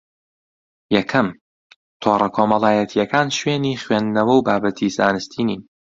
یەکەم: تۆڕە کۆمەڵایەتییەکان شوێنی خوێندنەوە و بابەتی زانستی نین